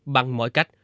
bằng mọi cách